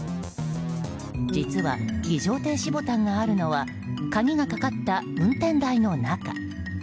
実は非常停止ボタンがあるのは鍵がかかった運転台の中。